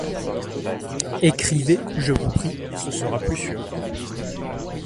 Écrivez, je vous prie, ce sera plus sûr.